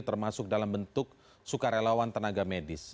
termasuk dalam bentuk sukarelawan tenaga medis